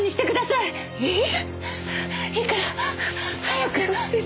いいから早く！